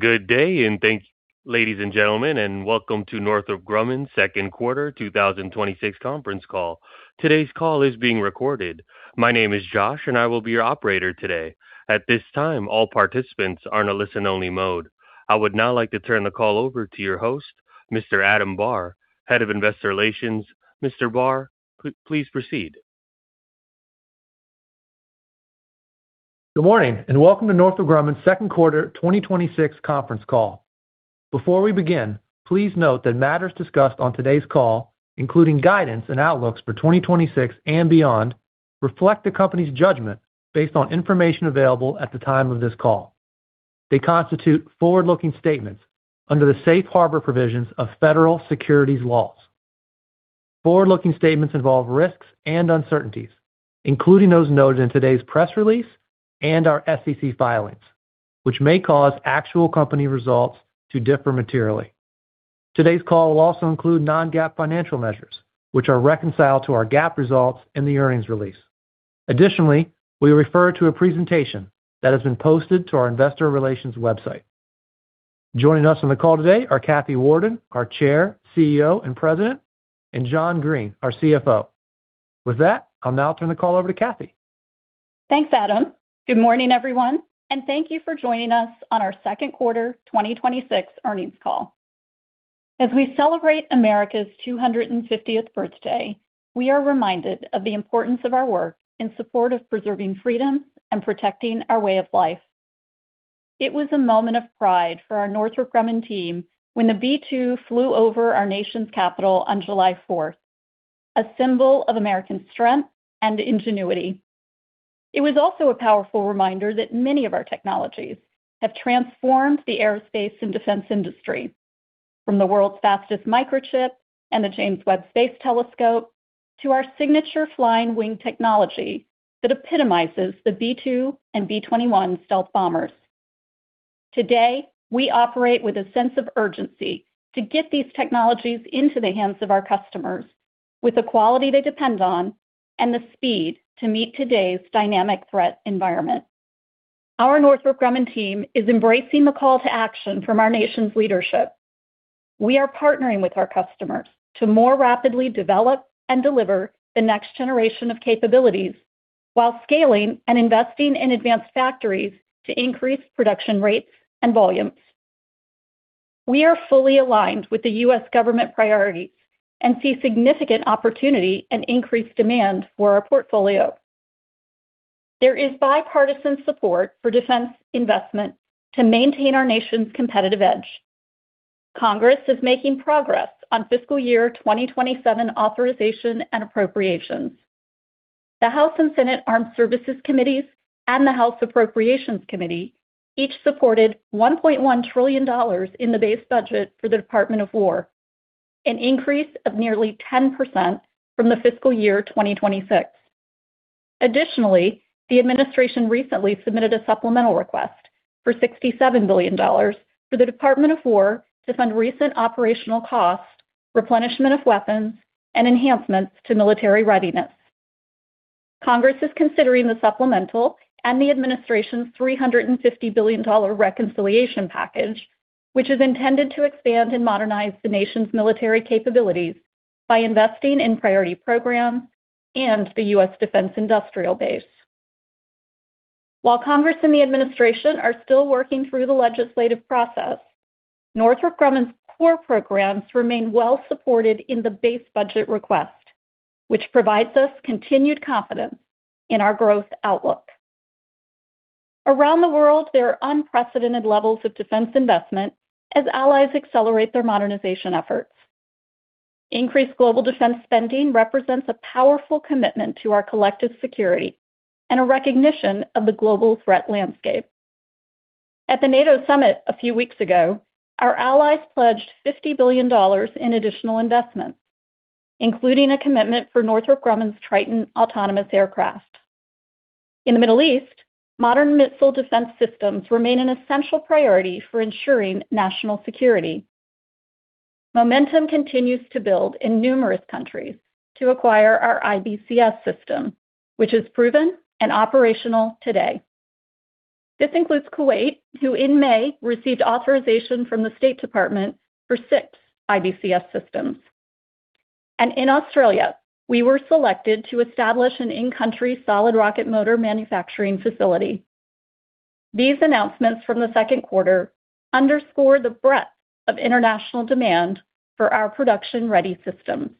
Good day, ladies and gentlemen, and welcome to Northrop Grumman's second quarter 2026 conference call. Today's call is being recorded. My name is Josh, and I will be your operator today. At this time, all participants are in a listen-only mode. I would now like to turn the call over to your host, Mr. Adam Barr, Head of Investor Relations. Mr. Barr, please proceed. Good morning and welcome to Northrop Grumman's second quarter 2026 conference call. Before we begin, please note that matters discussed on today's call, including guidance and outlooks for 2026 and beyond, reflect the company's judgment based on information available at the time of this call. They constitute forward-looking statements under the safe harbor provisions of federal securities laws. Forward-looking statements involve risks and uncertainties, including those noted in today's press release and our SEC filings, which may cause actual company results to differ materially. Today's call will also include non-GAAP financial measures, which are reconciled to our GAAP results in the earnings release. Additionally, we refer to a presentation that has been posted to our investor relations website. Joining us on the call today are Kathy Warden, our Chair, CEO, and President, and John Greene, our CFO. With that, I'll now turn the call over to Kathy. Thanks, Adam. Good morning, everyone, and thank you for joining us on our second quarter 2026 earnings call. As we celebrate America's 250th birthday, we are reminded of the importance of our work in support of preserving freedom and protecting our way of life. It was a moment of pride for our Northrop Grumman team when the B-2 flew over our nation's capital on July 4th, a symbol of American strength and ingenuity. It was also a powerful reminder that many of our technologies have transformed the aerospace and defense industry, from the world's fastest microchip and the James Webb Space Telescope to our signature flying wing technology that epitomizes the B-2 and B-21 stealth bombers. Today, we operate with a sense of urgency to get these technologies into the hands of our customers with the quality they depend on and the speed to meet today's dynamic threat environment. Our Northrop Grumman team is embracing the call to action from our nation's leadership. We are partnering with our customers to more rapidly develop and deliver the next generation of capabilities while scaling and investing in advanced factories to increase production rates and volumes. We are fully aligned with the U.S. government priorities and see significant opportunity and increased demand for our portfolio. There is bipartisan support for defense investment to maintain our nation's competitive edge. Congress is making progress on fiscal year 2027 authorization and appropriations. The House and Senate Armed Services Committees and the House Appropriations Committee each supported $1.1 trillion in the base budget for the Department of Defense, an increase of nearly 10% from the fiscal year 2026. Additionally, the administration recently submitted a supplemental request for $67 billion for the Department of Defense to fund recent operational costs, replenishment of weapons, and enhancements to military readiness. Congress is considering the supplemental and the administration's $350 billion reconciliation package, which is intended to expand and modernize the nation's military capabilities by investing in priority programs and the U.S. Defense industrial base. While Congress and the administration are still working through the legislative process, Northrop Grumman's core programs remain well-supported in the base budget request, which provides us continued confidence in our growth outlook. Around the world, there are unprecedented levels of defense investment as allies accelerate their modernization efforts. Increased global defense spending represents a powerful commitment to our collective security and a recognition of the global threat landscape. At the NATO summit a few weeks ago, our allies pledged $50 billion in additional investments, including a commitment for Northrop Grumman's Triton autonomous aircraft. In the Middle East, modern missile defense systems remain an essential priority for ensuring national security. Momentum continues to build in numerous countries to acquire our IBCS system, which is proven and operational today. This includes Kuwait, who in May received authorization from the State Department for six IBCS systems. In Australia, we were selected to establish an in-country solid rocket motor manufacturing facility. These announcements from the second quarter underscore the breadth of international demand for our production-ready systems.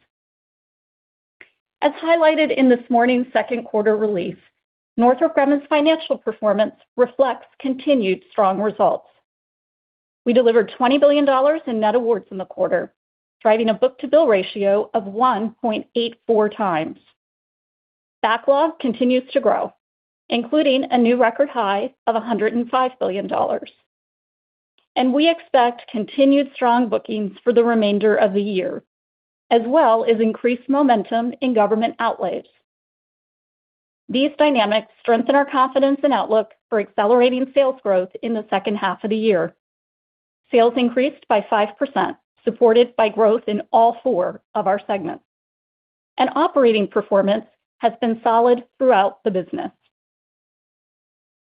As highlighted in this morning's second quarter release, Northrop Grumman's financial performance reflects continued strong results. We delivered $20 billion in net awards in the quarter, driving a book-to-bill ratio of 1.84 times. Backlog continues to grow, including a new record high of $105 billion. We expect continued strong bookings for the remainder of the year, as well as increased momentum in government outlays. These dynamics strengthen our confidence and outlook for accelerating sales growth in the second half of the year. Sales increased by 5%, supported by growth in all four of our segments. Operating performance has been solid throughout the business.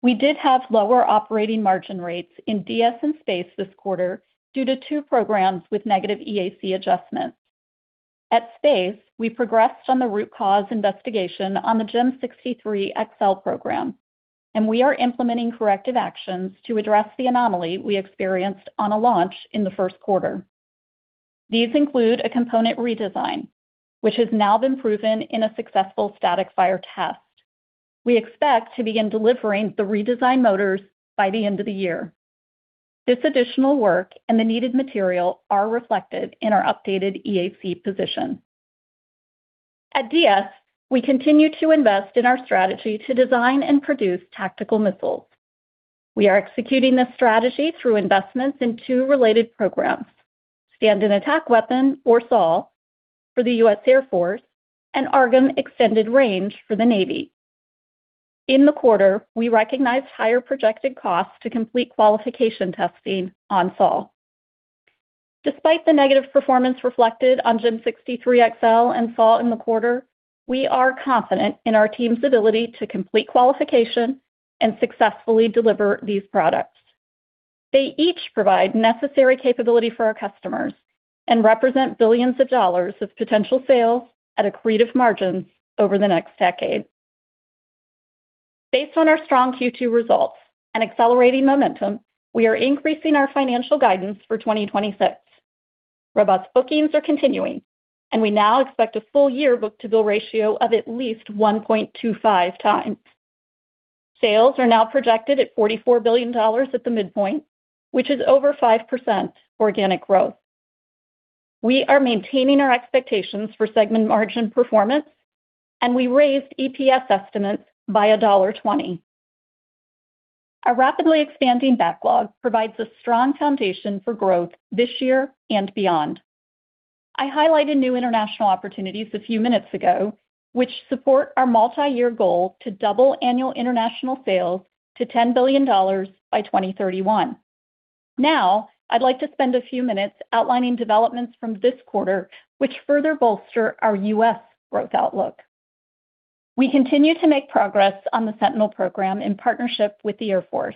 We did have lower operating margin rates in DS and Space this quarter due to two programs with negative EAC adjustments. At Space, we progressed on the root cause investigation on the GEM 63XL program, and we are implementing corrective actions to address the anomaly we experienced on a launch in the first quarter. These include a component redesign, which has now been proven in a successful static fire test. We expect to begin delivering the redesigned motors by the end of the year. This additional work and the needed material are reflected in our updated EAC position. At DS, we continue to invest in our strategy to design and produce tactical missiles. We are executing this strategy through investments in two related programs, Stand-in Attack Weapon, or SiAW, for the U.S. Air Force, and AARGM-Extended Range for the Navy. In the quarter, we recognized higher projected costs to complete qualification testing on SiAW. Despite the negative performance reflected on GEM 63XL and SiAW in the quarter, we are confident in our team's ability to complete qualification and successfully deliver these products. They each provide necessary capability for our customers and represent billions of dollars of potential sales at accretive margins over the next decade. Based on our strong Q2 results and accelerating momentum, we are increasing our financial guidance for 2026. Robust bookings are continuing, and we now expect a full year book-to-bill ratio of at least 1.25 times. Sales are now projected at $44 billion at the midpoint, which is over 5% organic growth. We are maintaining our expectations for segment margin performance, and we raised EPS estimates by $1.20. Our rapidly expanding backlog provides a strong foundation for growth this year and beyond. I highlighted new international opportunities a few minutes ago, which support our multi-year goal to double annual international sales to $10 billion by 2031. I'd like to spend a few minutes outlining developments from this quarter which further bolster our U.S. growth outlook. We continue to make progress on the Sentinel program in partnership with the Air Force.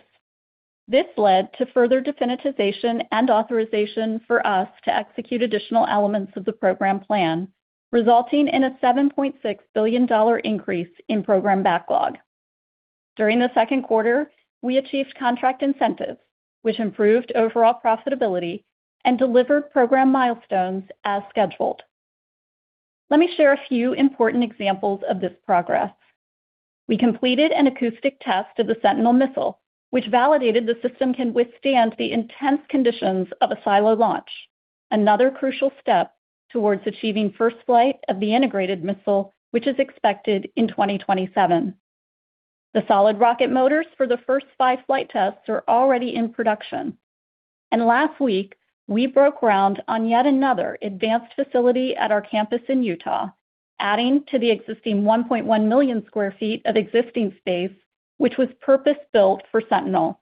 This led to further definitization and authorization for us to execute additional elements of the program plan, resulting in a $7.6 billion increase in program backlog. During the second quarter, we achieved contract incentives, which improved overall profitability and delivered program milestones as scheduled. Let me share a few important examples of this progress. We completed an acoustic test of the Sentinel missile, which validated the system can withstand the intense conditions of a silo launch, another crucial step towards achieving first flight of the integrated missile, which is expected in 2027. The solid rocket motors for the first five flight tests are already in production. Last week, we broke ground on yet another advanced facility at our campus in Utah, adding to the existing 1.1 million square feet of existing space, which was purpose-built for Sentinel.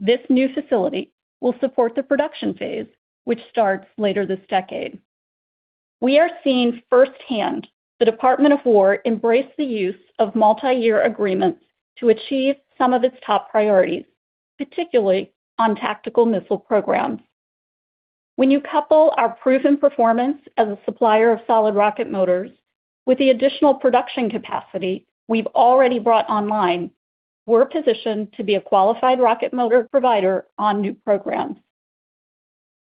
This new facility will support the production phase, which starts later this decade. We are seeing firsthand the Department of Defense embrace the use of multi-year agreements to achieve some of its top priorities, particularly on tactical missile programs. When you couple our proven performance as a supplier of solid rocket motors with the additional production capacity we've already brought online, we're positioned to be a qualified rocket motor provider on new programs.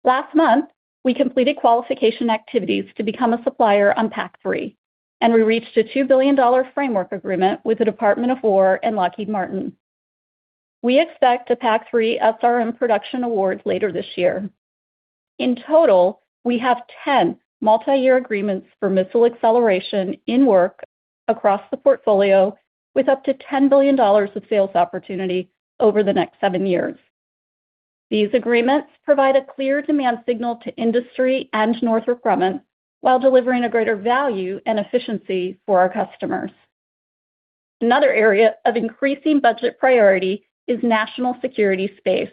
Last month, we completed qualification activities to become a supplier on PAC-3, and we reached a $2 billion framework agreement with the Department of Defense and Lockheed Martin. We expect the PAC-3 SRM production award later this year. In total, we have 10 multi-year agreements for missile acceleration in work across the portfolio with up to $10 billion of sales opportunity over the next seven years. These agreements provide a clear demand signal to industry and Northrop Grumman while delivering a greater value and efficiency for our customers. Another area of increasing budget priority is national security space.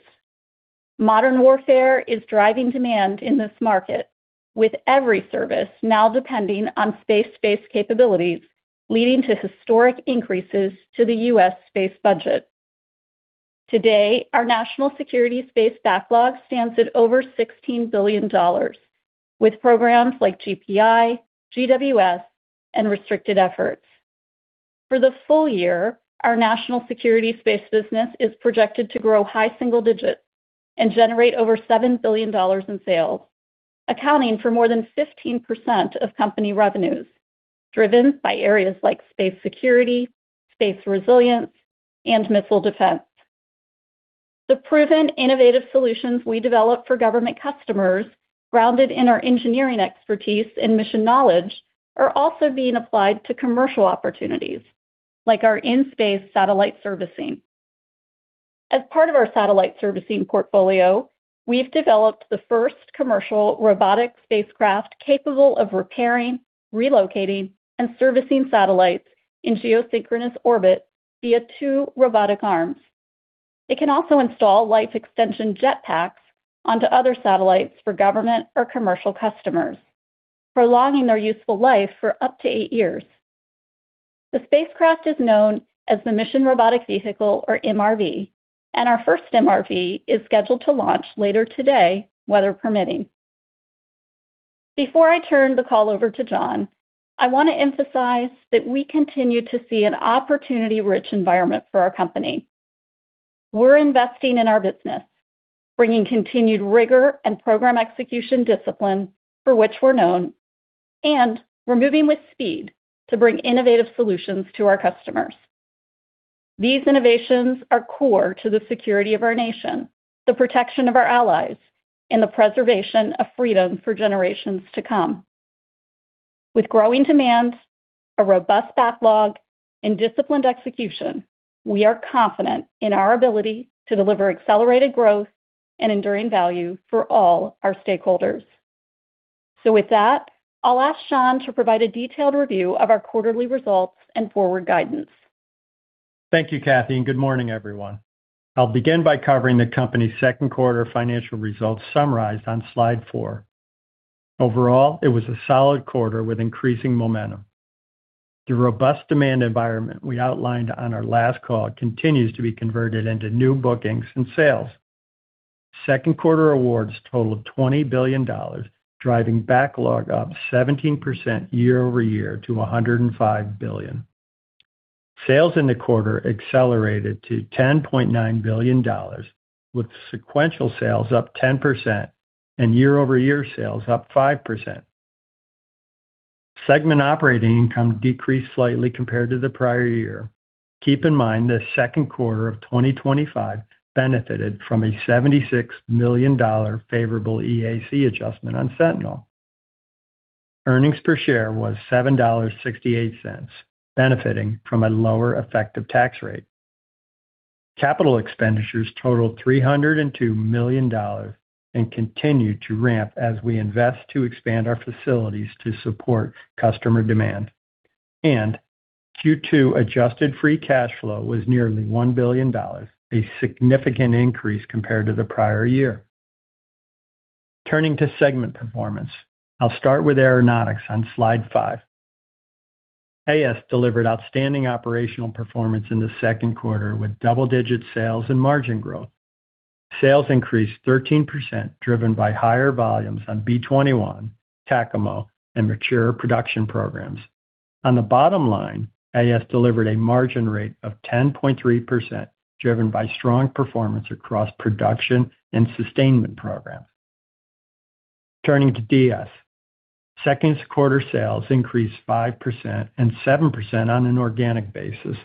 Modern warfare is driving demand in this market, with every service now depending on space-based capabilities, leading to historic increases to the U.S. space budget. Today, our national security space backlog stands at over $16 billion, with programs like GPI, GWS, and restricted efforts. For the full year, our national security space business is projected to grow high single digits and generate over $7 billion in sales, accounting for more than 15% of company revenues, driven by areas like space security, space resilience, and missile defense. The proven innovative solutions we develop for government customers, grounded in our engineering expertise and mission knowledge, are also being applied to commercial opportunities, like our in-space satellite servicing. As part of our satellite servicing portfolio, we've developed the first commercial robotic spacecraft capable of repairing, relocating, and servicing satellites in geosynchronous orbit via two robotic arms. It can also install life extension jetpacks onto other satellites for government or commercial customers, prolonging their useful life for up to eight years. The spacecraft is known as the Mission Robotic Vehicle, or MRV, and our first MRV is scheduled to launch later today, weather permitting. Before I turn the call over to John, I want to emphasize that we continue to see an opportunity-rich environment for our company. We're investing in our business, bringing continued rigor and program execution discipline for which we're known, and we're moving with speed to bring innovative solutions to our customers. These innovations are core to the security of our nation, the protection of our allies, and the preservation of freedom for generations to come. With growing demands, a robust backlog, and disciplined execution, we are confident in our ability to deliver accelerated growth and enduring value for all our stakeholders. With that, I'll ask John to provide a detailed review of our quarterly results and forward guidance. Thank you, Kathy, and good morning, everyone. I'll begin by covering the company's second quarter financial results summarized on Slide four. Overall, it was a solid quarter with increasing momentum. The robust demand environment we outlined on our last call continues to be converted into new bookings and sales. Second quarter awards total of $20 billion, driving backlog up 17% year-over-year to $105 billion. Sales in the quarter accelerated to $10.9 billion with sequential sales up 10% and year-over-year sales up 5%. Segment operating income decreased slightly compared to the prior year. Keep in mind that second quarter of 2025 benefited from a $76 million favorable EAC adjustment on Sentinel. Earnings per share was $7.68, benefiting from a lower effective tax rate. Capital expenditures totaled $302 million and continued to ramp as we invest to expand our facilities to support customer demand. Q2 adjusted free cash flow was nearly $1 billion, a significant increase compared to the prior year. Turning to segment performance. I'll start with Aeronautics on Slide five. AS delivered outstanding operational performance in the second quarter with double-digit sales and margin growth. Sales increased 13%, driven by higher volumes on B-21, TACAMO, and mature production programs. On the bottom line, AS delivered a margin rate of 10.3%, driven by strong performance across production and sustainment programs. Turning to DS. Second quarter sales increased 5% and 7% on an organic basis.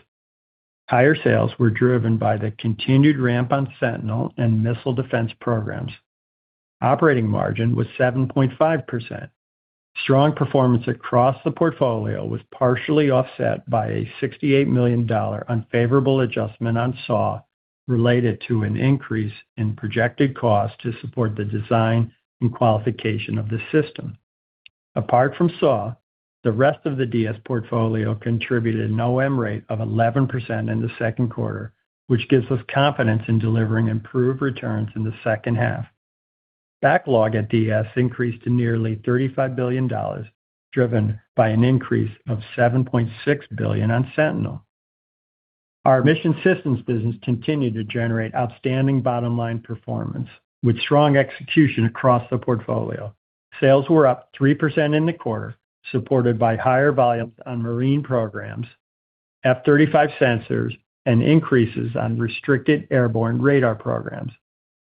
Higher sales were driven by the continued ramp on Sentinel and missile defense programs. Operating margin was 7.5%. Strong performance across the portfolio was partially offset by a $68 million unfavorable adjustment on SiAW related to an increase in projected cost to support the design and qualification of the system. Apart from SiAW, the rest of the DS portfolio contributed an OM rate of 11% in the second quarter, which gives us confidence in delivering improved returns in the second half. Backlog at DS increased to nearly $35 billion, driven by an increase of $7.6 billion on Sentinel. Our Mission Systems business continued to generate outstanding bottom-line performance, with strong execution across the portfolio. Sales were up 3% in the quarter, supported by higher volumes on marine programs, F-35 sensors, and increases on restricted airborne radar programs.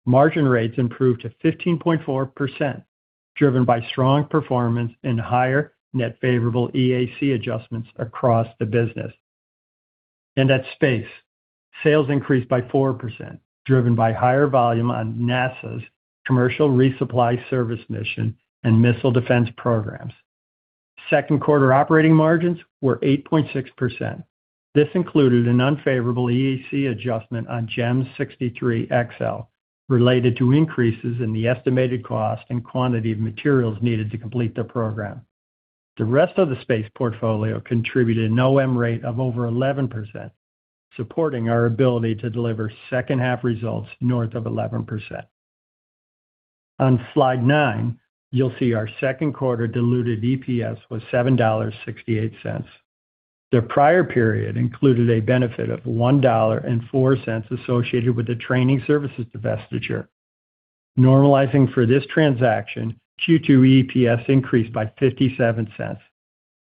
Margin rates improved to 15.4%, driven by strong performance and higher net favorable EAC adjustments across the business. At Space, sales increased by 4%, driven by higher volume on NASA's Commercial Resupply Services mission and missile defense programs. Second quarter operating margins were 8.6%. This included an unfavorable EAC adjustment on GEM 63XL related to increases in the estimated cost and quantity of materials needed to complete the program. The rest of the Space portfolio contributed an OM rate of over 11%, supporting our ability to deliver second half results north of 11%. On Slide nine, you'll see our second quarter diluted EPS was $7.68. The prior period included a benefit of $1.04 associated with the training services divestiture. Normalizing for this transaction, Q2 EPS increased by $0.57.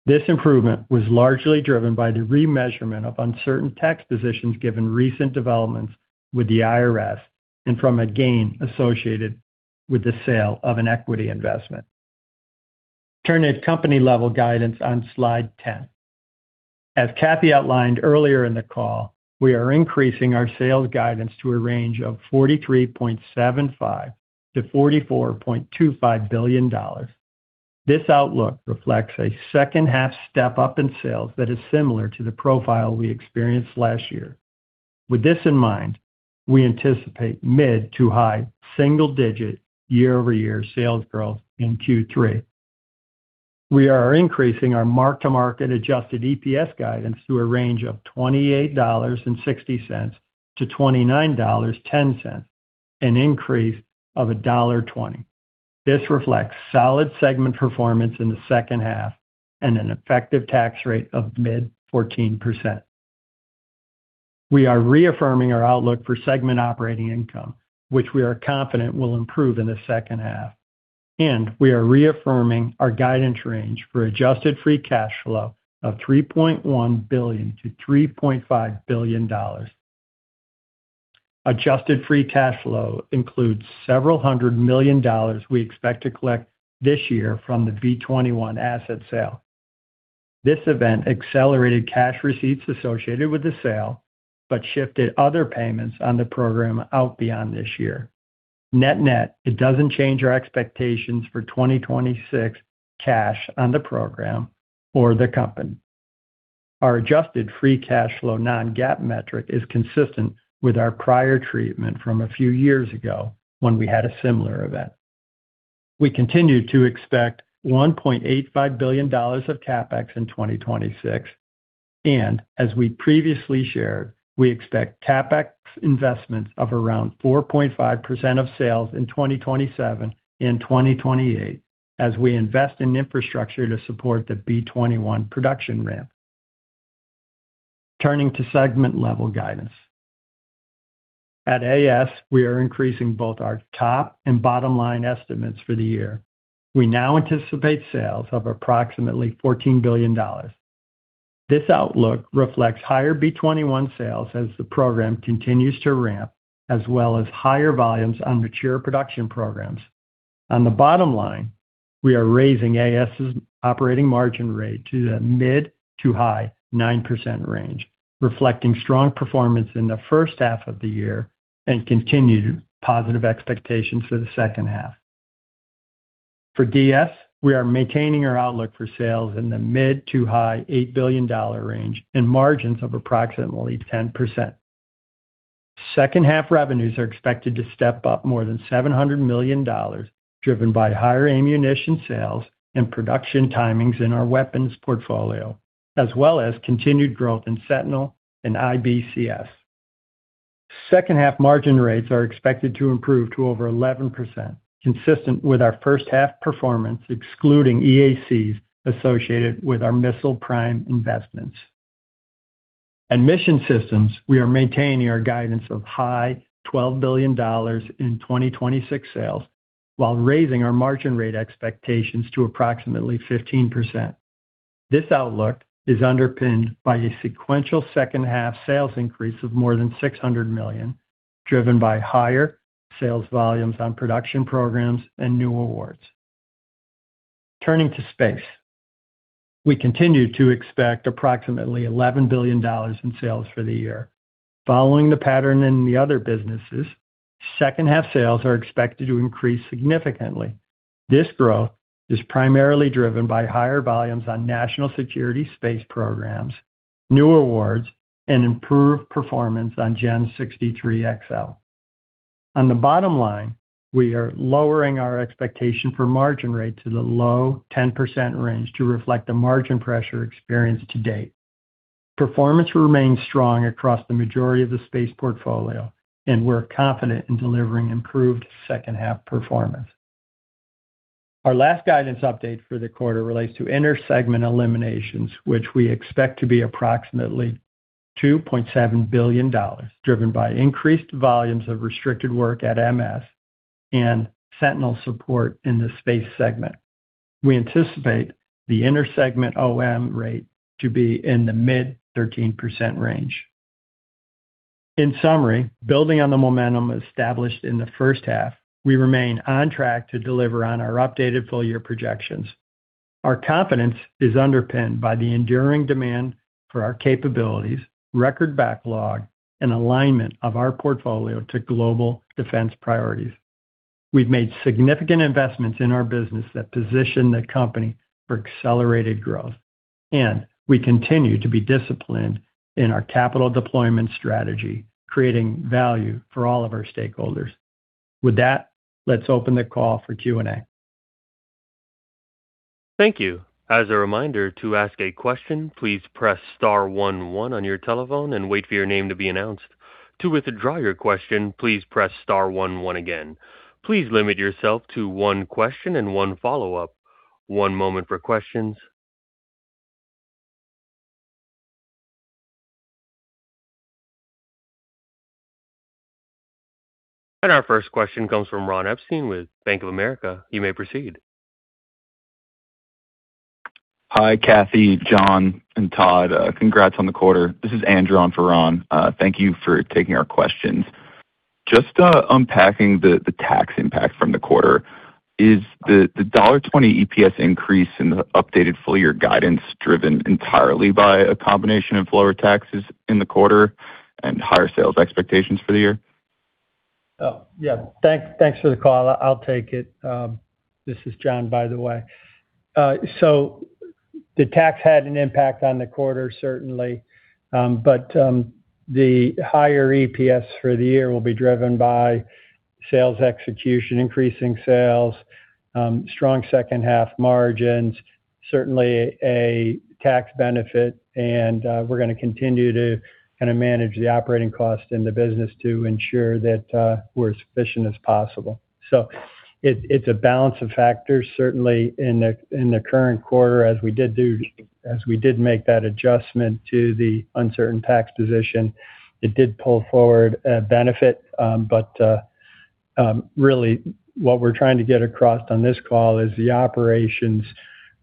This improvement was largely driven by the remeasurement of uncertain tax positions given recent developments with the IRS and from a gain associated with the sale of an equity investment. Turning to company level guidance on Slide 10. As Kathy outlined earlier in the call, we are increasing our sales guidance to a range of $43.75 billion-$44.25 billion. This outlook reflects a second half step-up in sales that is similar to the profile we experienced last year. With this in mind, we anticipate mid to high single-digit year-over-year sales growth in Q3. We are increasing our mark-to-market adjusted EPS guidance to a range of $28.60-$29.10, an increase of $1.20. This reflects solid segment performance in the second half and an effective tax rate of mid 14%. We are reaffirming our outlook for segment operating income, which we are confident will improve in the second half. We are reaffirming our guidance range for adjusted free cash flow of $3.1 billion-$3.5 billion. Adjusted free cash flow includes several hundred million dollars we expect to collect this year from the B-21 asset sale. This event accelerated cash receipts associated with the sale but shifted other payments on the program out beyond this year. Net-net, it doesn't change our expectations for 2026 cash on the program or the company. Our adjusted free cash flow non-GAAP metric is consistent with our prior treatment from a few years ago when we had a similar event. We continue to expect $1.85 billion of CapEx in 2026. As we previously shared, we expect CapEx investments of around 4.5% of sales in 2027 and 2028 as we invest in infrastructure to support the B-21 production ramp. Turning to segment level guidance. At AS, we are increasing both our top and bottom-line estimates for the year. We now anticipate sales of approximately $14 billion. This outlook reflects higher B-21 sales as the program continues to ramp, as well as higher volumes on mature production programs. On the bottom line, we are raising AS' operating margin rate to the mid-to-high 9% range, reflecting strong performance in the first half of the year and continued positive expectations for the second half. For DS, we are maintaining our outlook for sales in the mid-to-high $8 billion range and margins of approximately 10%. Second half revenues are expected to step up more than $700 million, driven by higher ammunition sales and production timings in our weapons portfolio, as well as continued growth in Sentinel and IBCS. Second half margin rates are expected to improve to over 11%, consistent with our first half performance, excluding EACs associated with our missile prime investments. At Mission Systems, we are maintaining our guidance of high $12 billion in 2026 sales while raising our margin rate expectations to approximately 15%. This outlook is underpinned by a sequential second half sales increase of more than $600 million, driven by higher sales volumes on production programs and new awards. Turning to Space. We continue to expect approximately $11 billion in sales for the year. Following the pattern in the other businesses, second half sales are expected to increase significantly. This growth is primarily driven by higher volumes on national security space programs, new awards, and improved performance on GEM 63XL. On the bottom line, we are lowering our expectation for margin rate to the low 10% range to reflect the margin pressure experienced to date. Performance remains strong across the majority of the Space portfolio, and we're confident in delivering improved second half performance. Our last guidance update for the quarter relates to intersegment eliminations, which we expect to be approximately $2.7 billion, driven by increased volumes of restricted work at MS and Sentinel support in the Space segment. We anticipate the intersegment OM rate to be in the mid 13% range. In summary, building on the momentum established in the first half, we remain on track to deliver on our updated full-year projections. Our confidence is underpinned by the enduring demand for our capabilities, record backlog, and alignment of our portfolio to global defense priorities. We've made significant investments in our business that position the company for accelerated growth, and we continue to be disciplined in our capital deployment strategy, creating value for all of our stakeholders. With that, let's open the call for Q&A. Thank you. As a reminder, to ask a question, please press star one one on your telephone and wait for your name to be announced. To withdraw your question, please press star one one again. Please limit yourself to one question and one follow-up. One moment for questions. Our first question comes from Ron Epstein with Bank of America. You may proceed. Hi, Kathy, John, and Todd. Congrats on the quarter. This is Andrew on for Ron. Thank you for taking our questions. Just unpacking the tax impact from the quarter. Is the $1.20 EPS increase in the updated full year guidance driven entirely by a combination of lower taxes in the quarter and higher sales expectations for the year? Yeah. Thanks for the call. I'll take it. This is John, by the way. The tax had an impact on the quarter, certainly. The higher EPS for the year will be driven by sales execution, increasing sales, strong second half margins, certainly a tax benefit, and we're going to continue to manage the operating cost in the business to ensure that we're as efficient as possible. It's a balance of factors, certainly, in the current quarter as we did make that adjustment to the uncertain tax position. It did pull forward a benefit. Really what we're trying to get across on this call is the operations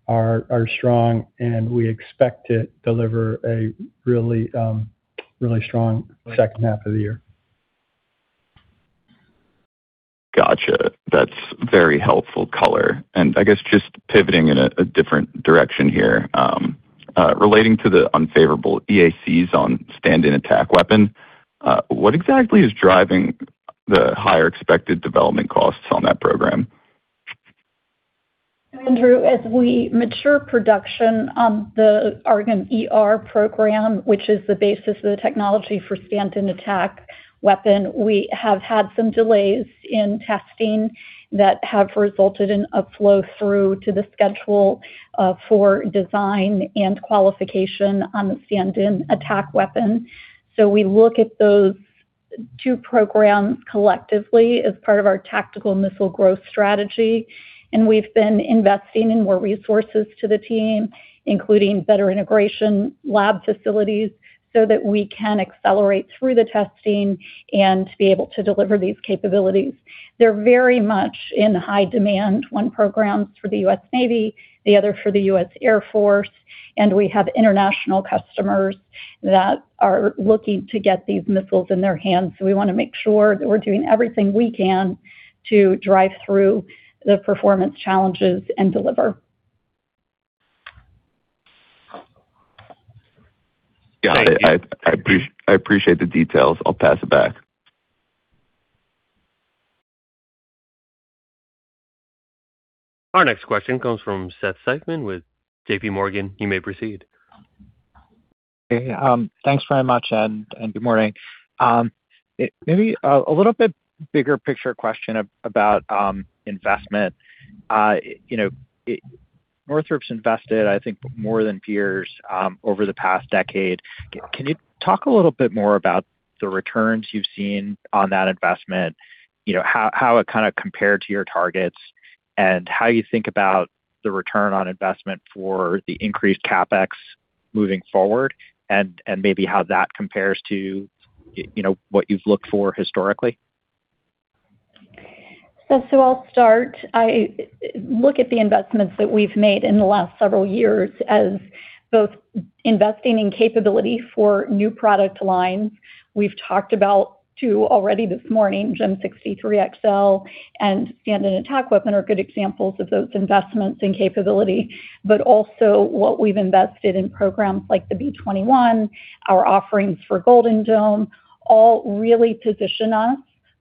are strong, and we expect to deliver a really strong second half of the year. Got you. That's very helpful color. I guess just pivoting in a different direction here. Relating to the unfavorable EACs on Stand-in Attack Weapon, what exactly is driving the higher expected development costs on that program? Andrew, as we mature production on the ARRW program, which is the basis of the technology for Stand-in Attack Weapon, we have had some delays in testing that have resulted in a flow-through to the schedule for design and qualification on the Stand-in Attack Weapon. We look at those two programs collectively as part of our tactical missile growth strategy, and we've been investing in more resources to the team, including better integration lab facilities so that we can accelerate through the testing and be able to deliver these capabilities. They're very much in high demand. One program's for the U.S. Navy, the other for the U.S. Air Force, and we have international customers that are looking to get these missiles in their hands. We want to make sure that we're doing everything we can to drive through the performance challenges and deliver. Got it. Thank you. I appreciate the details. I'll pass it back. Our next question comes from Seth Seifman with JPMorgan. You may proceed. Thanks very much, good morning. Maybe a little bit bigger picture question about investment. Northrop's invested, I think, more than peers over the past decade. Can you talk a little bit more about the returns you've seen on that investment? How it kind of compared to your targets, how you think about the return on investment for the increased CapEx moving forward, and maybe how that compares to what you've looked for historically? Seth, I'll start. I look at the investments that we've made in the last several years as both investing in capability for new product lines. We've talked about two already this morning, GEM 63XL and Stand-in Attack Weapon are good examples of those investments in capability. Also what we've invested in programs like the B-21, our offerings for Golden Dome, all really position us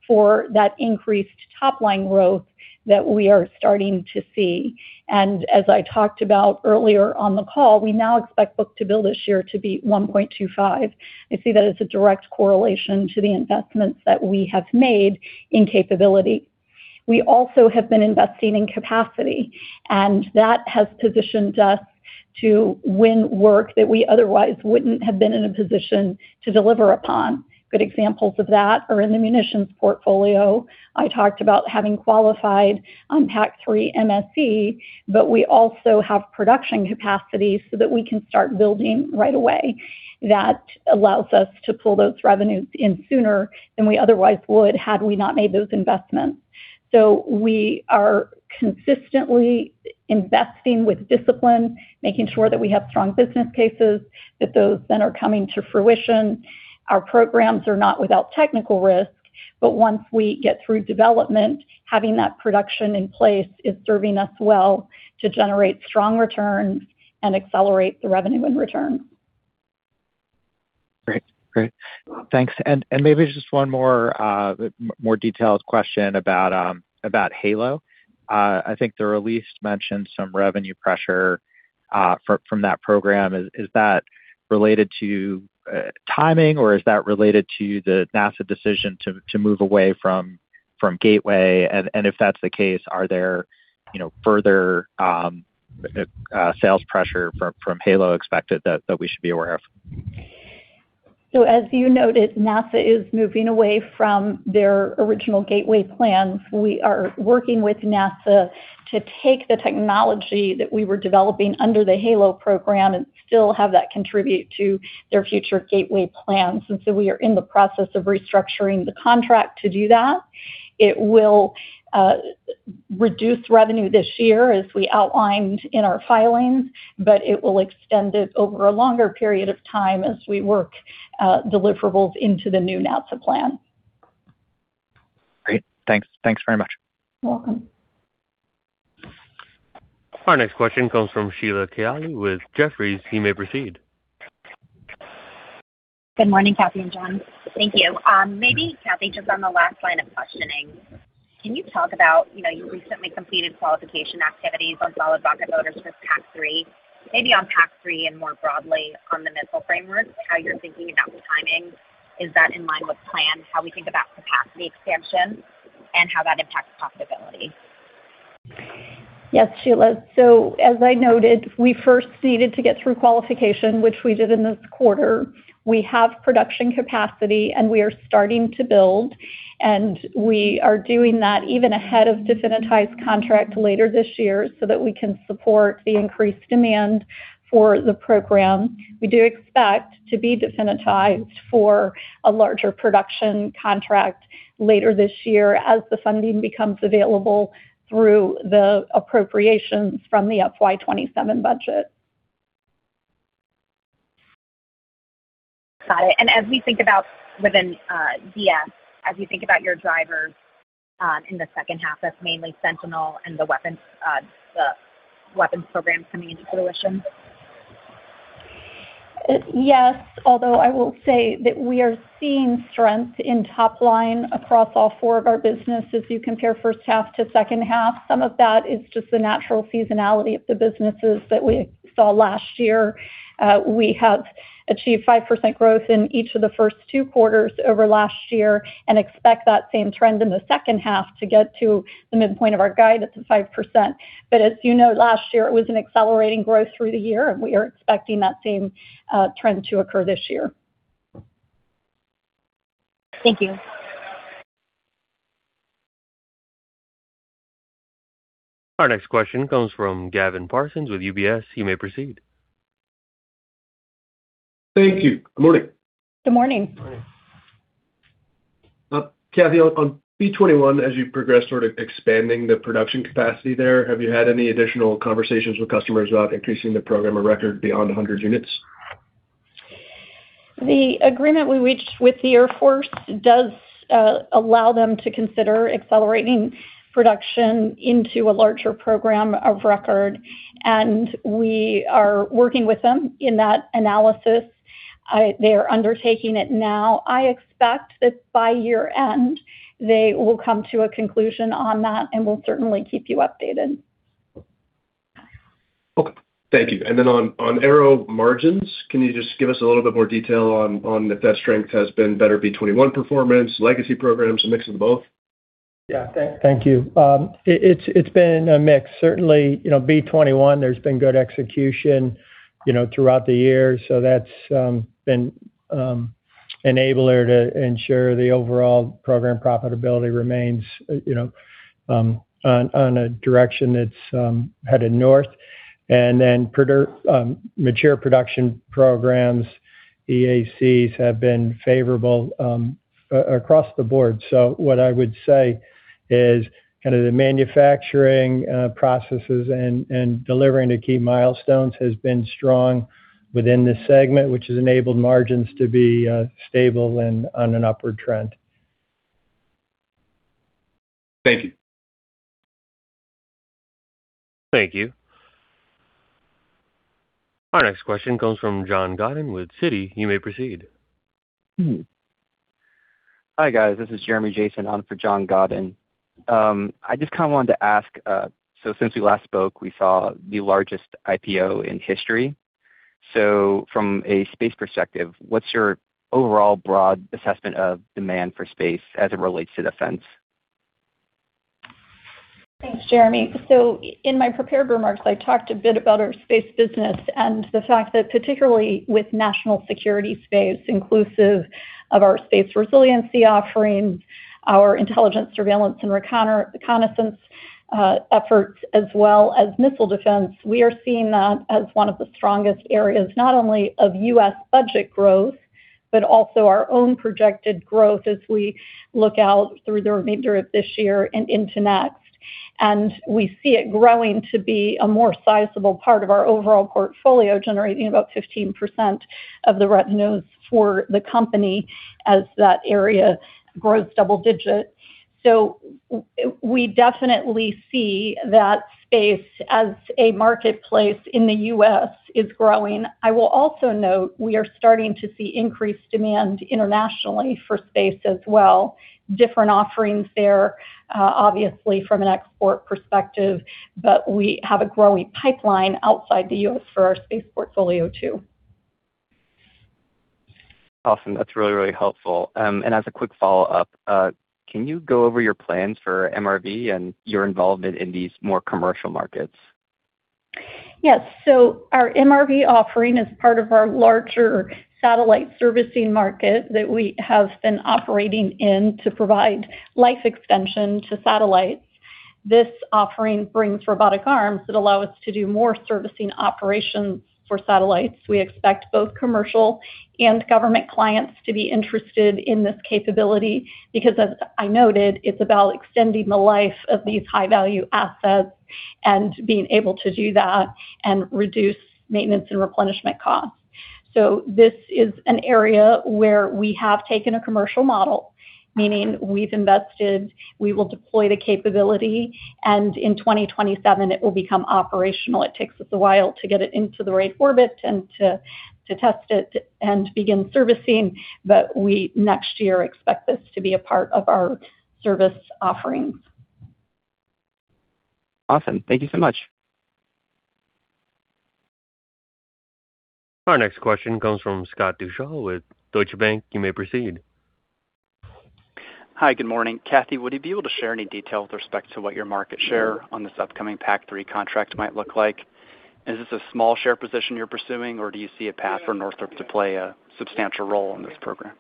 for that increased top-line growth that we are starting to see. As I talked about earlier on the call, we now expect book-to-bill this year to be 1.25. I see that as a direct correlation to the investments that we have made in capability. We also have been investing in capacity, that has positioned us to win work that we otherwise wouldn't have been in a position to deliver upon. Good examples of that are in the munitions portfolio. I talked about having qualified on PAC-3 MSE, we also have production capacity so that we can start building right away. That allows us to pull those revenues in sooner than we otherwise would, had we not made those investments. We are consistently investing with discipline, making sure that we have strong business cases, that those then are coming to fruition. Our programs are not without technical risk, once we get through development, having that production in place is serving us well to generate strong returns and accelerate the revenue in return. Great. Thanks. Maybe just one more detailed question about HALO. I think the release mentioned some revenue pressure from that program. Is that related to timing, or is that related to the NASA decision to move away from Gateway? If that's the case, are there further sales pressure from HALO expected that we should be aware of? As you noted, NASA is moving away from their original Gateway plans. We are working with NASA to take the technology that we were developing under the HALO program and still have that contribute to their future Gateway plans. We are in the process of restructuring the contract to do that. It will reduce revenue this year as we outlined in our filings, but it will extend it over a longer period of time as we work deliverables into the new NASA plan. Great. Thanks very much. Welcome. Our next question comes from Sheila Kahyaoglu with Jefferies. You may proceed. Good morning, Kathy and John. Thank you. Maybe Kathy, just on the last line of questioning, can you talk about your recently completed qualification activities on solid rocket motors for PAC-3? Maybe on PAC-3 and more broadly on the missile framework, how you're thinking about the timing. Is that in line with plan, how we think about capacity expansion, and how that impacts profitability? Yes, Sheila. As I noted, we first needed to get through qualification, which we did in this quarter. We have production capacity and we are starting to build, and we are doing that even ahead of definitized contract later this year so that we can support the increased demand for the program. We do expect to be definitized for a larger production contract later this year as the funding becomes available through the appropriations from the FY 2027 budget. Got it. As we think about within DS, as you think about your drivers in the second half, that's mainly Sentinel and the weapons programs coming into fruition? Yes, although I will say that we are seeing strength in top line across all four of our businesses. You compare first half to second half, some of that is just the natural seasonality of the businesses that we saw last year. We have achieved 5% growth in each of the first two quarters over last year and expect that same trend in the second half to get to the midpoint of our guide at the 5%. As you know, last year it was an accelerating growth through the year, and we are expecting that same trend to occur this year. Thank you. Our next question comes from Gavin Parsons with UBS. You may proceed. Thank you. Good morning. Good morning. Kathy, on B-21, as you progress sort of expanding the production capacity there, have you had any additional conversations with customers about increasing the program of record beyond 100 units? The agreement we reached with the Air Force does allow them to consider accelerating production into a larger program of record. We are working with them in that analysis. They are undertaking it now. I expect that by year-end, they will come to a conclusion on that. We'll certainly keep you updated. Okay. Thank you. On Aero margins, can you just give us a little bit more detail on if that strength has been better B-21 performance, legacy programs, a mix of both? Yeah. Thank you. It's been a mix. Certainly, B-21, there's been good execution throughout the year, that's been enabler to ensure the overall program profitability remains on a direction that's headed north. Mature production programs, EACs, have been favorable across the board. What I would say is kind of the manufacturing processes and delivering to key milestones has been strong within this segment, which has enabled margins to be stable and on an upward trend. Thank you. Thank you. Our next question comes from Jon Godden with Citi. You may proceed. Hi, guys. This is Jeremy Jason on for Jon Godden. I just kind of wanted to ask, since we last spoke, we saw the largest IPO in history. From a space perspective, what's your overall broad assessment of demand for space as it relates to defense? Thanks, Jeremy. In my prepared remarks, I talked a bit about our space business and the fact that particularly with national security space, inclusive of our space resiliency offerings, our intelligence surveillance and reconnaissance efforts, as well as missile defense. We are seeing that as one of the strongest areas, not only of U.S. budget growth, but also our own projected growth as we look out through the remainder of this year and into next. We see it growing to be a more sizable part of our overall portfolio, generating about 15% of the revenues for the company as that area grows double digit. We definitely see that space as a marketplace in the U.S. is growing. I will also note we are starting to see increased demand internationally for space as well. Different offerings there, obviously from an export perspective, we have a growing pipeline outside the U.S. for our space portfolio, too. Awesome. That's really, really helpful. As a quick follow-up, can you go over your plans for MRV and your involvement in these more commercial markets? Yes. Our MRV offering is part of our larger satellite servicing market that we have been operating in to provide life extension to satellites. This offering brings robotic arms that allow us to do more servicing operations for satellites. We expect both commercial and government clients to be interested in this capability because, as I noted, it's about extending the life of these high-value assets and being able to do that and reduce maintenance and replenishment costs. This is an area where we have taken a commercial model Meaning we've invested, we will deploy the capability, and in 2027 it will become operational. It takes us a while to get it into the right orbit and to test it and begin servicing. We, next year, expect this to be a part of our service offerings. Awesome. Thank you so much. Our next question comes from Scott Deuschle with Deutsche Bank. You may proceed. Hi. Good morning. Kathy, would you be able to share any detail with respect to what your market share on this upcoming PAC-3 contract might look like? Is this a small share position you're pursuing, or do you see a path for Northrop to play a substantial role in this program?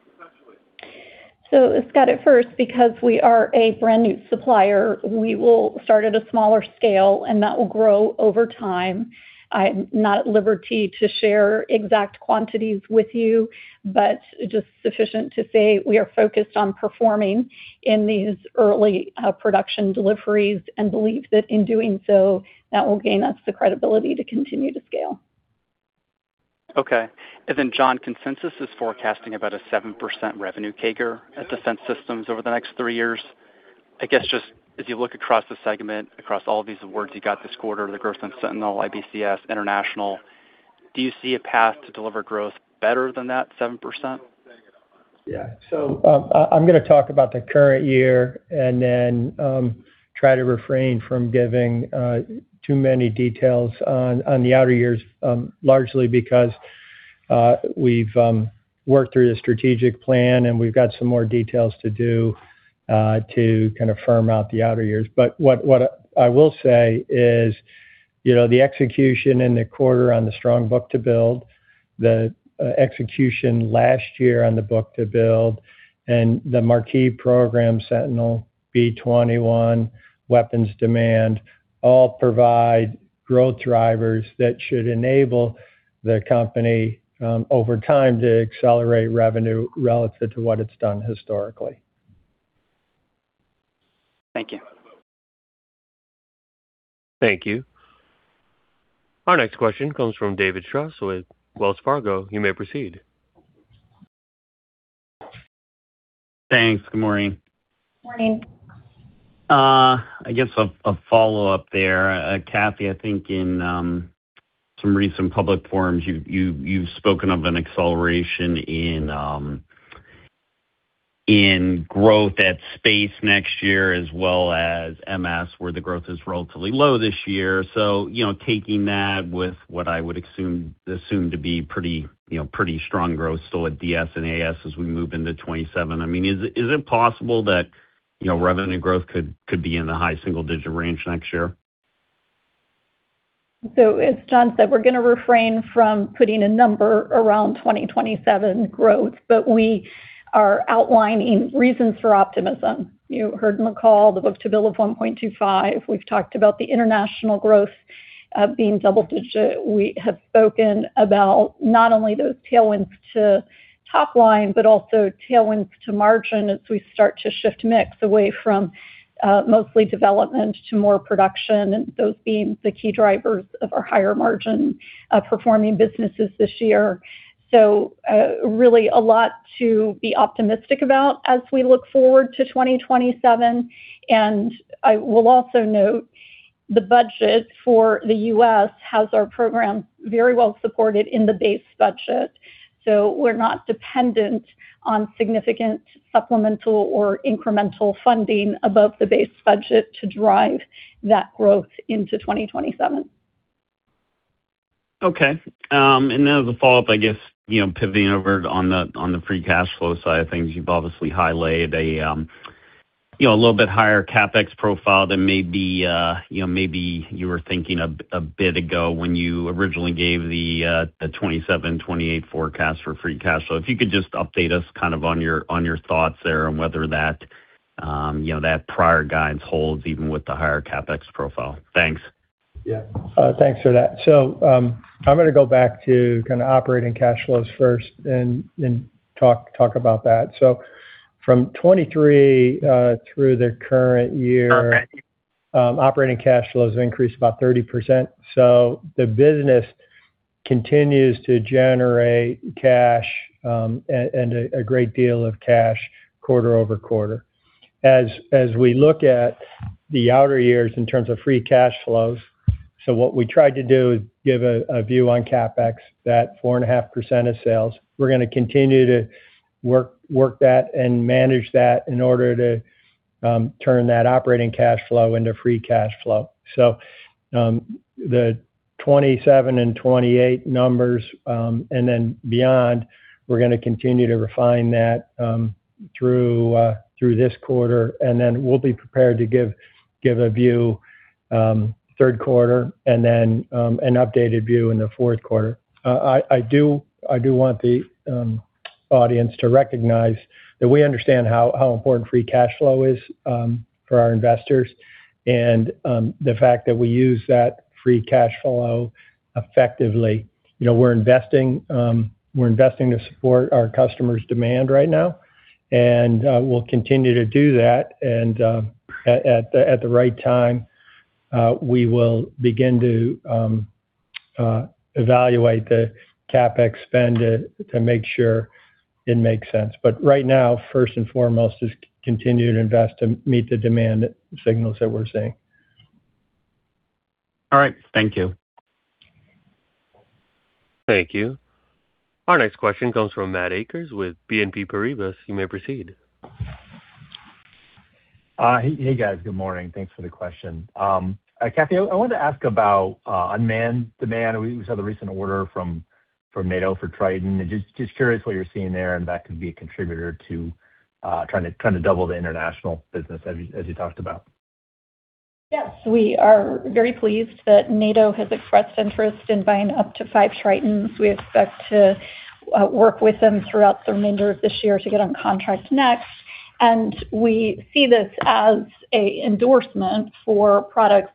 Scott, at first, because we are a brand-new supplier, we will start at a smaller scale, and that will grow over time. I'm not at liberty to share exact quantities with you, but just sufficient to say we are focused on performing in these early production deliveries and believe that in doing so, that will gain us the credibility to continue to scale. Okay. John, consensus is forecasting about a 7% revenue CAGR at Defense Systems over the next three years. I guess, just as you look across the segment, across all of these awards you got this quarter, the growth in Sentinel, IBCS, international, do you see a path to deliver growth better than that 7%? I'm going to talk about the current year and then try to refrain from giving too many details on the outer years, largely because we've worked through the strategic plan, and we've got some more details to do to kind of firm out the outer years. What I will say is the execution in the quarter on the strong book-to-build, the execution last year on the book-to-build, and the marquee program, Sentinel, B-21, weapons demand, all provide growth drivers that should enable the company, over time, to accelerate revenue relative to what it's done historically. Thank you. Thank you. Our next question comes from David Strauss with Wells Fargo. You may proceed. Thanks. Good morning. Morning. I guess a follow-up there. Kathy, I think in some recent public forums, you've spoken of an acceleration in growth at Space next year as well as MS, where the growth is relatively low this year. Taking that with what I would assume to be pretty strong growth still at DS and AS as we move into 2027, is it possible that revenue growth could be in the high single-digit range next year? As John said, we're going to refrain from putting a number around 2027 growth, but we are outlining reasons for optimism. You heard in the call the book-to-bill of 1.25. We've talked about the international growth being double-digit. We have spoken about not only those tailwinds to top-line but also tailwinds to margin as we start to shift mix away from mostly development to more production, and those being the key drivers of our higher margin performing businesses this year. Really a lot to be optimistic about as we look forward to 2027, and I will also note the budget for the U.S. has our program very well supported in the base budget. We're not dependent on significant supplemental or incremental funding above the base budget to drive that growth into 2027. Okay. As a follow-up, I guess, pivoting over on the free cash flow side of things, you've obviously highlighted a little bit higher CapEx profile than maybe you were thinking a bit ago when you originally gave the 2027, 2028 forecast for free cash. If you could just update us on your thoughts there and whether that prior guidance holds even with the higher CapEx profile. Thanks. Yeah. Thanks for that. I'm going to go back to kind of operating cash flows first and talk about that. From 2023 through the current year- Okay. Operating cash flows increased about 30%. The business continues to generate cash, and a great deal of cash quarter-over-quarter. As we look at the outer years in terms of free cash flows, what we tried to do is give a view on CapEx, that 4.5% of sales. We're going to continue to work that and manage that in order to turn that operating cash flow into free cash flow. The 2027 and 2028 numbers, and then beyond, we're going to continue to refine that through this quarter, and then we'll be prepared to give a view third quarter, and then an updated view in the fourth quarter. I do want the audience to recognize that we understand how important free cash flow is for our investors, and the fact that we use that free cash flow effectively. We're investing to support our customers' demand right now, and we'll continue to do that. At the right time, we will begin to evaluate the CapEx spend to make sure it makes sense. Right now, first and foremost, is continue to invest to meet the demand signals that we're seeing. All right. Thank you. Thank you. Our next question comes from Matt Akers with BNP Paribas. You may proceed. Hey, guys. Good morning. Thanks for the question. Kathy, I wanted to ask about unmanned demand. We just had the recent order from NATO for Triton. Just curious what you're seeing there, and that could be a contributor to trying to double the international business as you talked about. Yes, we are very pleased that NATO has expressed interest in buying up to five Tritons. We expect to work with them throughout the remainder of this year to get on contract next. We see this as an endorsement for products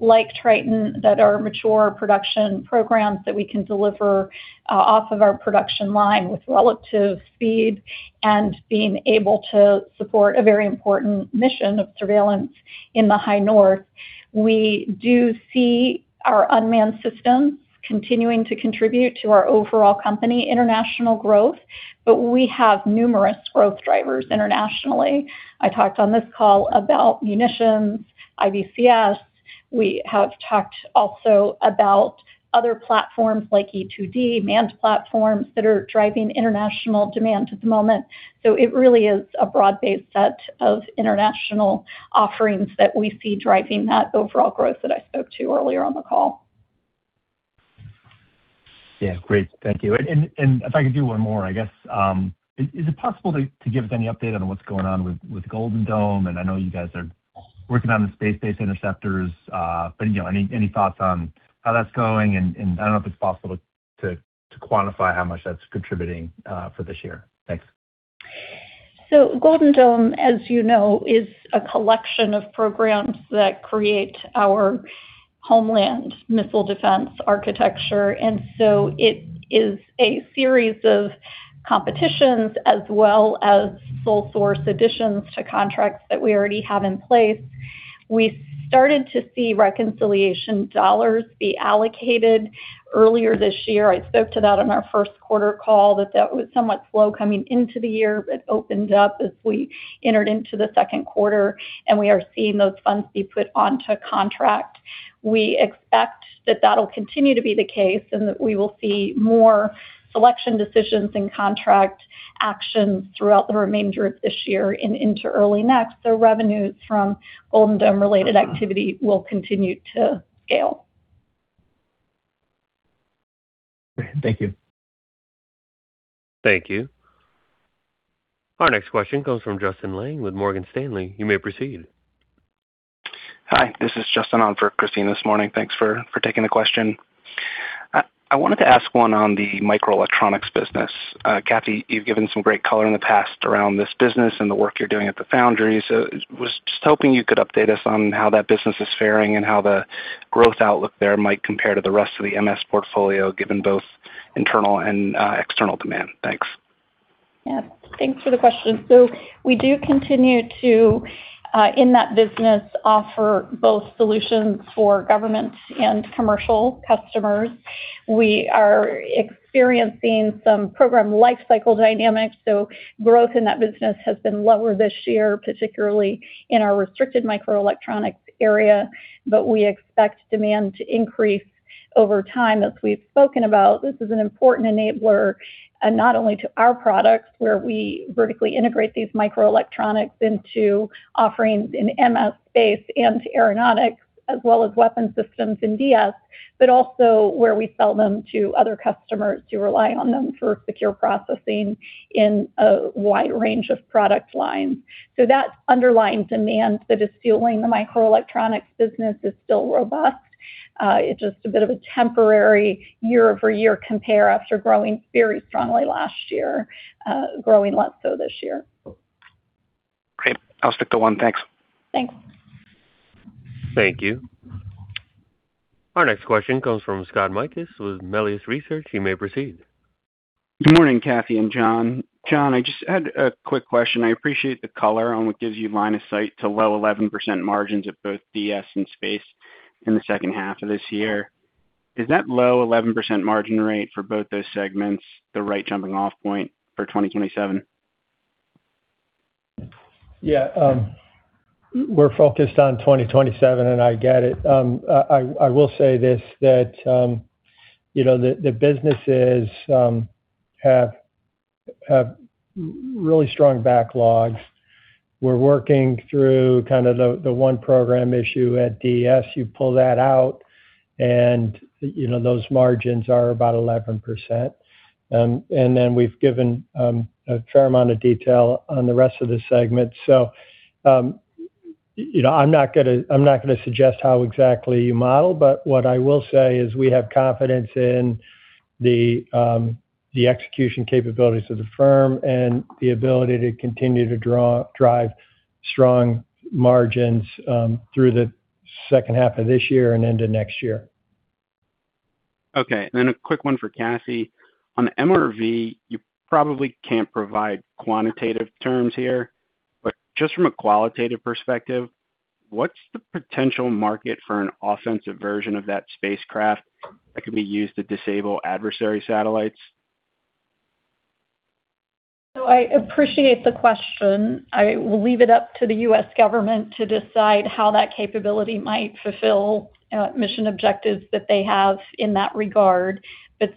like Triton that are mature production programs that we can deliver off of our production line with relative speed and being able to support a very important mission of surveillance in the High North. We do see our unmanned systems continuing to contribute to our overall company international growth, but we have numerous growth drivers internationally. I talked on this call about munitions, IBCS. We have talked also about other platforms like E-2D, manned platforms that are driving international demand at the moment. It really is a broad-based set of international offerings that we see driving that overall growth that I spoke to earlier on the call. Yeah. Great. Thank you. If I could do one more, I guess. Is it possible to give us any update on what's going on with Golden Dome? I know you guys are working on the space-based interceptors. Any thoughts on how that's going? I don't know if it's possible to quantify how much that's contributing for this year. Thanks. Golden Dome, as you know, is a collection of programs that create our homeland missile defense architecture. It is a series of competitions as well as sole source additions to contracts that we already have in place. We started to see reconciliation dollars be allocated earlier this year. I spoke to that on our first quarter call, that that was somewhat slow coming into the year, but opened up as we entered into the second quarter. We are seeing those funds be put onto contract. We expect that that'll continue to be the case, and that we will see more selection decisions and contract actions throughout the remainder of this year and into early next. Revenues from Golden Dome-related activity will continue to scale. Great. Thank you. Thank you. Our next question comes from Justin Lang with Morgan Stanley. You may proceed. Hi, this is Justin on for Christine this morning. Thanks for taking the question. I wanted to ask one on the microelectronics business. Kathy, you've given some great color in the past around this business and the work you're doing at the foundry. Was just hoping you could update us on how that business is faring and how the growth outlook there might compare to the rest of the MS portfolio, given both internal and external demand. Thanks. Yeah. Thanks for the question. We do continue to, in that business, offer both solutions for governments and commercial customers. We are experiencing some program life cycle dynamics, growth in that business has been lower this year, particularly in our restricted microelectronics area. We expect demand to increase over time. As we've spoken about, this is an important enabler, not only to our products, where we vertically integrate these microelectronics into offerings in MS, Space and to aeronautics, as well as weapon systems in DS, but also where we sell them to other customers who rely on them for secure processing in a wide range of product lines. That underlying demand that is fueling the microelectronics business is still robust. It's just a bit of a temporary year-over-year compare after growing very strongly last year, growing less so this year. Great. I'll stick to one. Thanks. Thanks. Thank you. Our next question comes from Scott Mikus with Melius Research. You may proceed. Good morning, Kathy and John. John, I just had a quick question. I appreciate the color on what gives you line of sight to low 11% margins at both DS and Space in the second half of this year. Is that low 11% margin rate for both those segments the right jumping off point for 2027? Yeah. We're focused on 2027, I get it. I will say this, that the businesses have really strong backlogs. We're working through kind of the one program issue at DS. You pull that out and those margins are about 11%. Then we've given a fair amount of detail on the rest of the segment. I'm not going to suggest how exactly you model, but what I will say is we have confidence in the execution capabilities of the firm and the ability to continue to drive strong margins through the second half of this year and into next year. Okay. A quick one for Kathy. On MRV, you probably can't provide quantitative terms here, but just from a qualitative perspective, what's the potential market for an offensive version of that spacecraft that could be used to disable adversary satellites? I appreciate the question. I will leave it up to the U.S. government to decide how that capability might fulfill mission objectives that they have in that regard.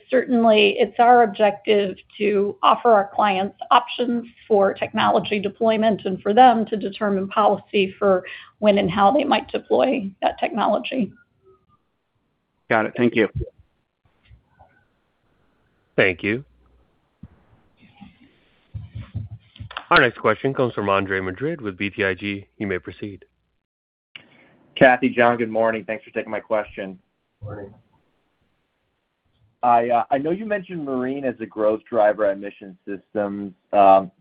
Certainly, it's our objective to offer our clients options for technology deployment and for them to determine policy for when and how they might deploy that technology. Got it. Thank you. Thank you. Our next question comes from Andre Madrid with BTIG. You may proceed. Kathy, John, good morning. Thanks for taking my question. Morning. I know you mentioned marine as a growth driver at Mission Systems.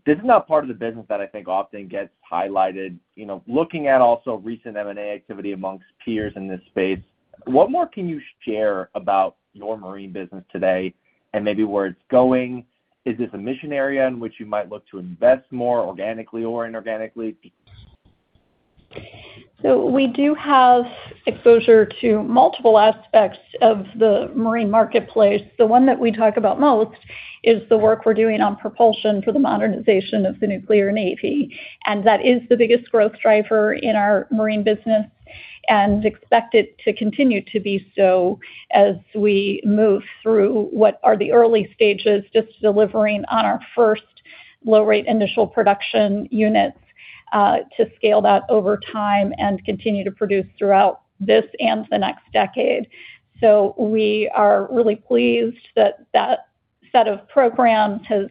This is not part of the business that I think often gets highlighted. Looking at also recent M&A activity amongst peers in this space, what more can you share about your marine business today and maybe where it's going? Is this a mission area in which you might look to invest more organically or inorganically? We do have exposure to multiple aspects of the marine marketplace. The one that we talk about most is the work we're doing on propulsion for the modernization of the nuclear navy. That is the biggest growth driver in our marine business and expect it to continue to be so as we move through what are the early stages, just delivering on our first low-rate initial production units, to scale that over time and continue to produce throughout this and the next decade. We are really pleased that that set of programs has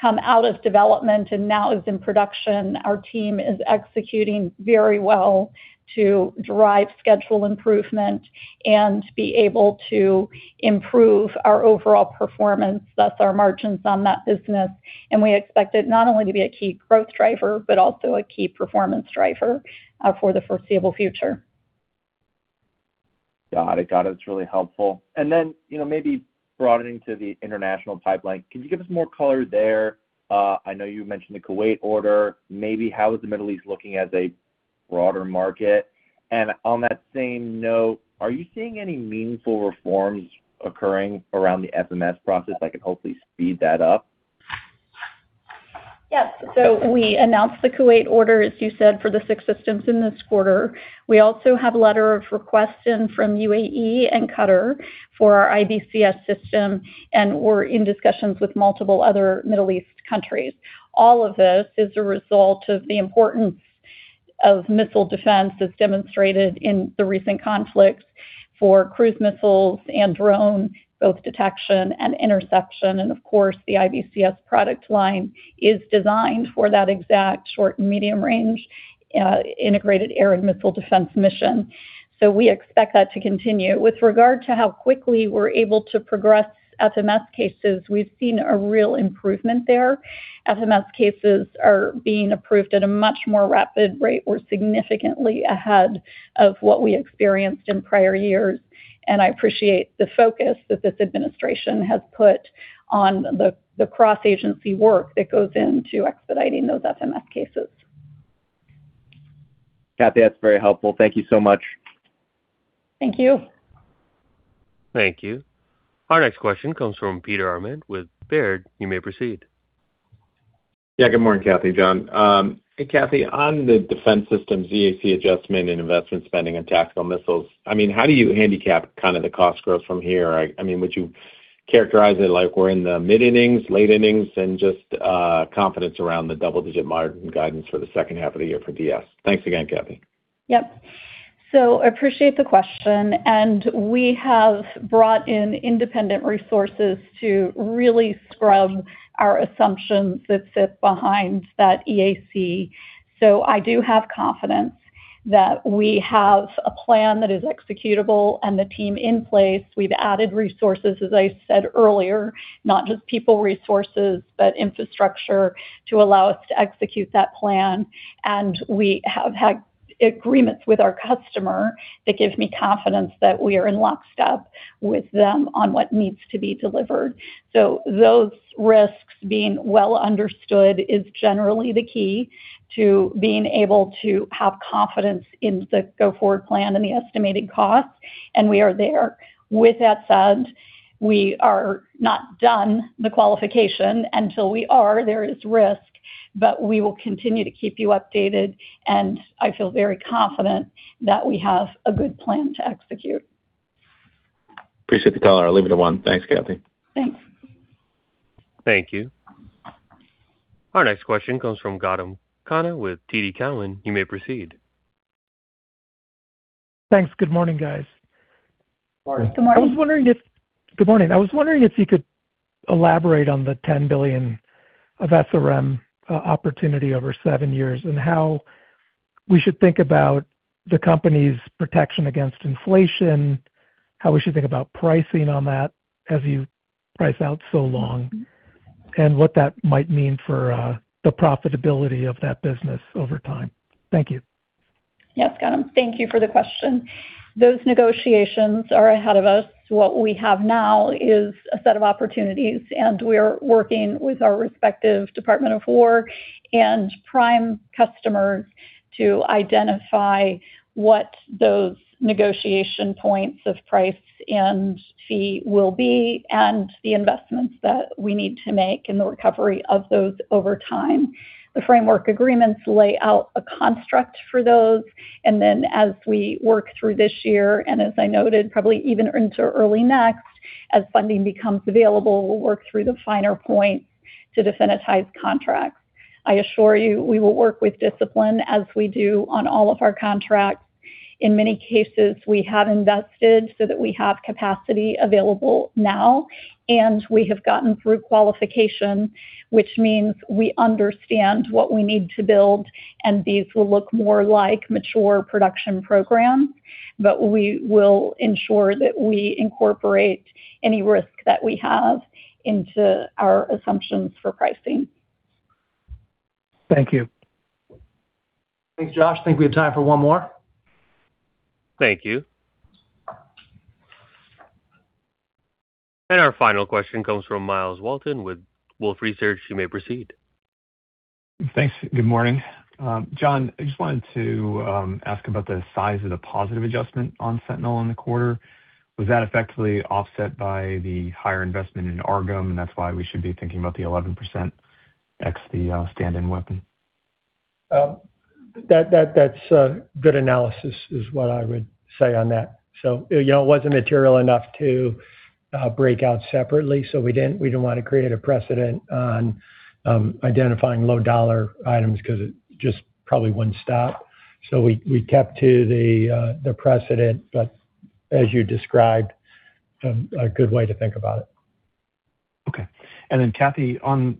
come out of development and now is in production. Our team is executing very well to drive schedule improvement and be able to improve our overall performance, thus our margins on that business. We expect it not only to be a key growth driver, but also a key performance driver for the foreseeable future. Got it. That's really helpful. Maybe broadening to the international pipeline, can you give us more color there? I know you mentioned the Kuwait order. Maybe how is the Middle East looking as a broader market? On that same note, are you seeing any meaningful reforms occurring around the FMS process that can hopefully speed that up? Yes. We announced the Kuwait order, as you said, for the six systems in this quarter. We also have a letter of request in from UAE and Qatar for our IBCS system, and we're in discussions with multiple other Middle East countries. All of this is a result of the importance of missile defense as demonstrated in the recent conflicts for cruise missiles and drone, both detection and interception. Of course, the IBCS product line is designed for that exact short and medium-range integrated air and missile defense mission. We expect that to continue. With regard to how quickly we're able to progress FMS cases, we've seen a real improvement there. FMS cases are being approved at a much more rapid rate. We're significantly ahead of what we experienced in prior years. I appreciate the focus that this administration has put on the cross-agency work that goes into expediting those FMS cases. Kathy, that's very helpful. Thank you so much. Thank you. Thank you. Our next question comes from Peter Arment with Baird. You may proceed. Good morning, Kathy, John. Hey, Kathy, on the Defense Systems' EAC adjustment and investment spending on tactical missiles, how do you handicap the cost growth from here? Would you characterize it like we're in the mid-innings, late innings? Just confidence around the double-digit margin guidance for the second half of the year for DS. Thanks again, Kathy. Appreciate the question, and we have brought in independent resources to really scrub our assumptions that sit behind that EAC. I do have confidence that we have a plan that is executable and the team in place. We've added resources, as I said earlier, not just people resources, but infrastructure to allow us to execute that plan. We have had agreements with our customer that give me confidence that we are in lockstep with them on what needs to be delivered. Those risks being well understood is generally the key to being able to have confidence in the go-forward plan and the estimated costs. We are there. With that said, we are not done the qualification. Until we are, there is risk. We will continue to keep you updated, and I feel very confident that we have a good plan to execute. Appreciate the color. I'll leave it at one. Thanks, Kathy. Thanks. Thank you. Our next question comes from Gautam Khanna with TD Cowen. You may proceed. Thanks. Good morning, guys. Morning. Good morning. Good morning. I was wondering if you could elaborate on the $10 billion of SRM opportunity over seven years, and how we should think about the company's protection against inflation, how we should think about pricing on that as you price out so long, and what that might mean for the profitability of that business over time. Thank you. Yes, Gautam, thank you for the question. Those negotiations are ahead of us. What we have now is a set of opportunities. We are working with our respective Department of Defense and prime customers to identify what those negotiation points of price and fee will be and the investments that we need to make in the recovery of those over time. The framework agreements lay out a construct for those. As we work through this year, as I noted, probably even into early next, as funding becomes available, we'll work through the finer points to definitize contracts. I assure you, we will work with discipline as we do on all of our contracts. In many cases, we have invested so that we have capacity available now. We have gotten through qualification, which means we understand what we need to build. These will look more like mature production programs. We will ensure that we incorporate any risk that we have into our assumptions for pricing. Thank you. Thanks, Josh. I think we have time for one more. Thank you. Our final question comes from Myles Walton with Wolfe Research. You may proceed. Thanks. Good morning. John, I just wanted to ask about the size of the positive adjustment on Sentinel in the quarter. Was that effectively offset by the higher investment in AARGM, that's why we should be thinking about the 11% XD Stand-in Attack Weapon? That's good analysis is what I would say on that. It wasn't material enough to break out separately, so we didn't want to create a precedent on identifying low-dollar items because it just probably wouldn't stop. We kept to the precedent, but as you described, a good way to think about it. Okay. Kathy, on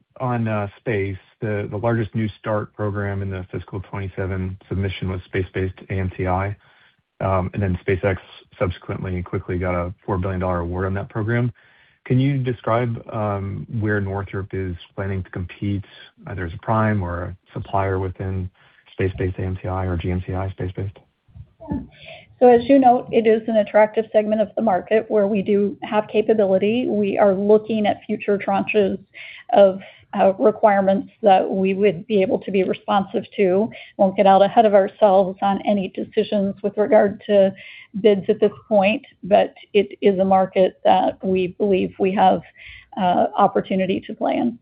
space, the largest new start program in the fiscal 2027 submission was space-based AMTI. SpaceX subsequently quickly got a $4 billion award on that program. Can you describe where Northrop is planning to compete, either as a prime or a supplier within space-based AMTI or GMTI space-based? Yeah. As you note, it is an attractive segment of the market where we do have capability. We are looking at future tranches of requirements that we would be able to be responsive to. Won't get out ahead of ourselves on any decisions with regard to bids at this point. It is a market that we believe we have opportunity to play in.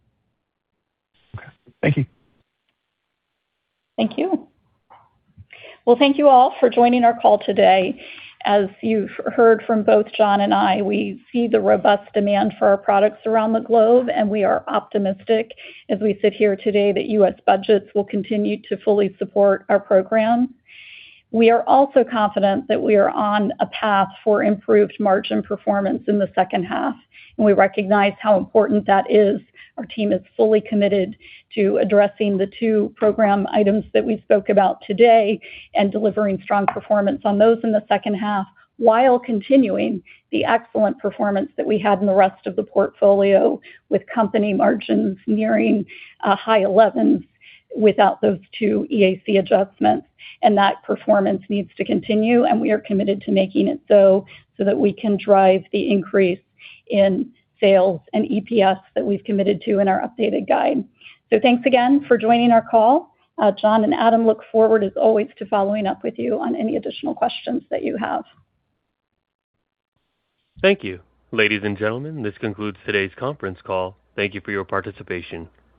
Okay. Thank you. Thank you. Thank you all for joining our call today. As you've heard from both John and I, we see the robust demand for our products around the globe, and we are optimistic as we sit here today that U.S. budgets will continue to fully support our programs. We are also confident that we are on a path for improved margin performance in the second half, and we recognize how important that is. Our team is fully committed to addressing the two program items that we spoke about today and delivering strong performance on those in the second half, while continuing the excellent performance that we had in the rest of the portfolio with company margins nearing high 11s without those two EAC adjustments. That performance needs to continue, and we are committed to making it so that we can drive the increase in sales and EPS that we've committed to in our updated guide. Thanks again for joining our call. John and Adam look forward, as always, to following up with you on any additional questions that you have. Thank you. Ladies and gentlemen, this concludes today's conference call. Thank you for your participation.